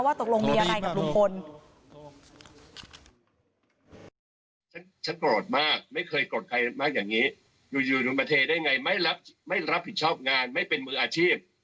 ว่าตกลงมีอะไรกับลุงพนธ์